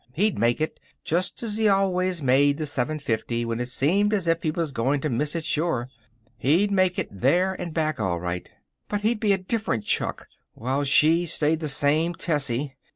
He'd make it, just as he always made the 7:50 when it seemed as if he was going to miss it sure. He'd make it there and back, all right. But he'd be a different Chuck, while she stayed the same Tessie.